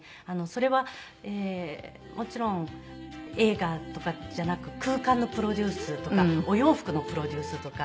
それはもちろん映画とかじゃなく空間のプロデュースとかお洋服のプロデュースとか。